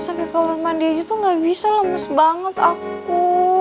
sakit kalau mandi aja tuh ngga bisa lemes banget aku